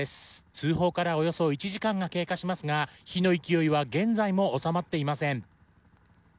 通報からおよそ１時間が経過しますが火の勢いは現在も収まっていません。